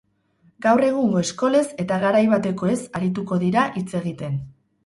Gaur egungo eskolez eta garai batekoez arituko dira hitz egiten.